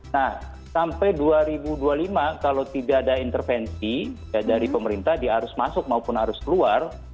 nah sampai dua ribu dua puluh lima kalau tidak ada intervensi dari pemerintah dia harus masuk maupun harus keluar